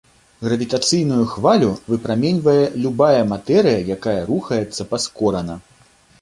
Гравітацыйную хвалю выпраменьвае любая матэрыя, якая рухаецца паскорана.